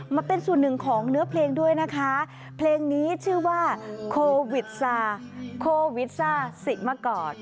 มาเป็นส่วนหนึ่งของเนื้อเพลงด้วยนะคะเพลงนี้ชื่อว่าโควิดซาโควิซ่าสิเมื่อก่อน